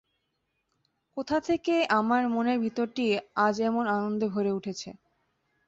কোথা থেকে আমার মনের ভিতরটি আজ এমন আনন্দে ভরে উঠেছে।